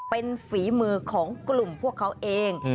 เป็นฝีมือของกลุ่มพวกเขาเอง